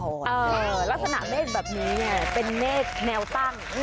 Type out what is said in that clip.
ลักษณะเมฆแบบนี้เนี่ยเป็นเมฆแนวตั้ง